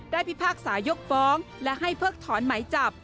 พิพากษายกฟ้องและให้เพิกถอนไหมจับ